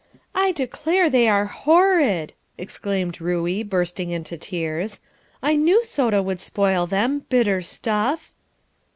"I declare they are horrid!" exclaimed Ruey, bursting into tears. "I knew soda would spoil them, bitter stuff!"